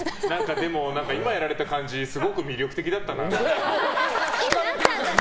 でも今やられた感じすごい魅力的だったな。